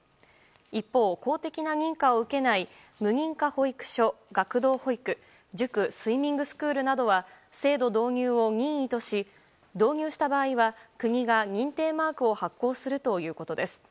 一方、公的な認可を受けない無認可保育所学童保育、塾スイミングスクールなどは制度導入を任意とし導入した場合は国が認定マークを発行するということです。